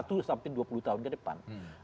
untuk satu dua puluh tahun ke depan